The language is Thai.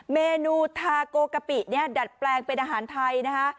เมนูทาโกกะปิเนี่ยดัดแปลงเป็นอาหารไทยนะคะ